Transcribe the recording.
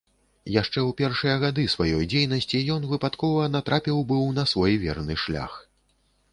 Яшчэ ў першыя гады сваёй дзейнасці ён выпадкова натрапіў быў на свой верны шлях.